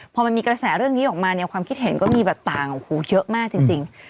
พอมันมีกระแสเรื่องนี้ออกมาเนี่ยความคิดเห็นก็มีแบบต่างโอ้โหเยอะมากจริง